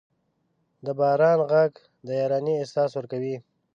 د باران ږغ د یارانې احساس ورکوي.